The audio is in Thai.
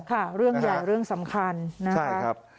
ค่ะเรื่องใหญ่เรื่องสำคัญนะครับ